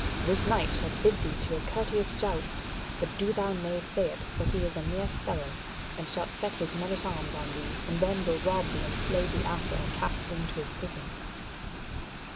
This knight shalt bid thee to a courteous joust; but do thou nay say it, for he is a mere felon, and shalt set his men at arms on thee, and then will rob thee and slay thee after, or cast thee into his prison."